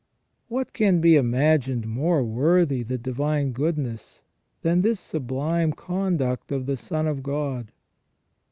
What can be imagined more worthy the divine goodness than this sublime conduct of the Son of God